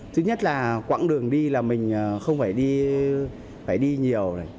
thứ nhất là quãng đường đi là mình không phải đi nhiều